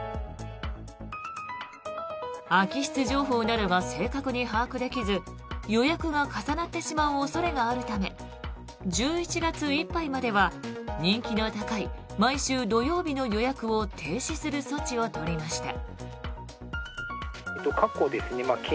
空き室情報などが正確に把握できず予約が重なってしまう恐れがあるため１１月いっぱいまでは人気の高い毎週土曜日の予約を停止する措置を取りました。